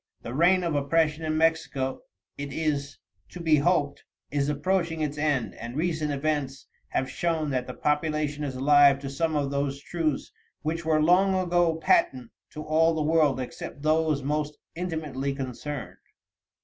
The reign of oppression in Mexico, it is to be hoped, is approaching its end, and recent events have shown that the population is alive to some of those truths which were long ago patent to all the world except those most intimately concerned.